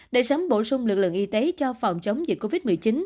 để sớm bổ sung lực lượng y tế cho phòng chống dịch covid một mươi chín